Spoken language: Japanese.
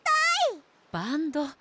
バンド！